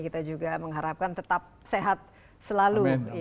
kita juga mengharapkan tetap sehat selalu